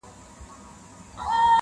o ډېر له کیبره څخه ګوري و هوا ته,